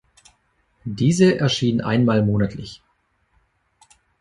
Diese erschien einmal monatlich.